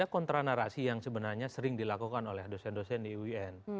ada kontra narasi yang sebenarnya sering dilakukan oleh dosen dosen di uin